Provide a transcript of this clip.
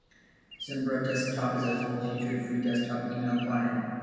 Zimbra Desktop is a full-featured free desktop email client.